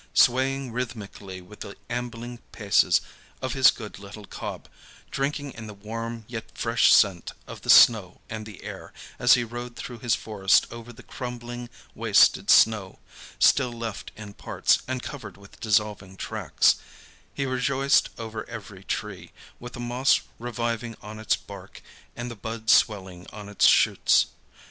Swaying rhythmically with the ambling paces of his good little cob, drinking in the warm yet fresh scent of the snow and the air, as he rode through his forest over the crumbling, wasted snow, still left in parts, and covered with dissolving tracks, he rejoiced over every tree, with the moss reviving on its bark and the buds swelling on its shoots.